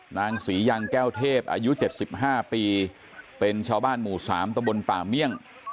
นางศรียังแก้วเทพอายุ๗๕ปีเป็นชาวบ้านหมู่๓ตะบนป่าเมี่ยง